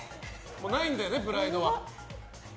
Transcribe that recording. ないんだよね、プライドは。